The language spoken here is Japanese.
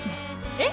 え！？